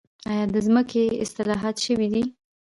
آیا د ځمکې اصلاحات شوي دي؟